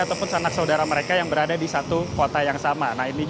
ataupun sanak saudara mereka yang berada di satu kota yang sama